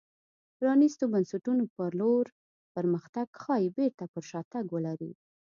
پرانېستو بنسټونو په لور پرمختګ ښايي بېرته پر شا تګ ولري.